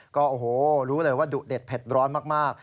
ก็โอ้โหรู้เลยว่าดุเด็ดเผ็ดร้อนมาก